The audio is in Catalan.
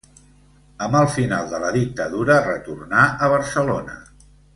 Amb el final de la dictadura retornà a Barcelona.